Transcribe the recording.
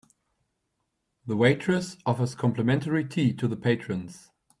The waitress offers complimentary tea to the patrons.